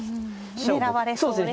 狙われそうですね。